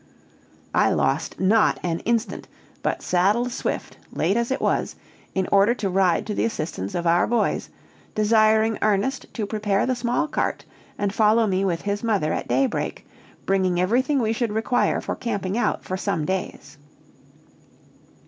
I lost not an instant, but saddled Swift, late as it was, in order to ride to the assistance of our boys, desiring Ernest to prepare the small cart, and follow me with his mother at daybreak, bringing everything we should require for camping out for some days.